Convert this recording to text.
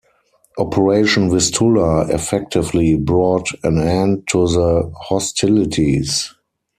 Operation Vistula effectively brought an end to the hostilities.